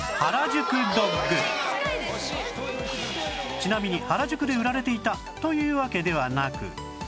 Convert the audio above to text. ちなみに原宿で売られていたというわけではなく